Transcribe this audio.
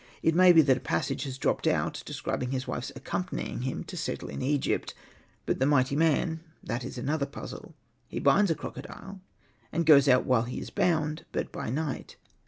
It may be that a passage has dropped out, describing his wife's accompanying him to settle in Egypt. But the mighty man — that is another puzzle. He binds a crocodile, and goes out while he is bound, but by night.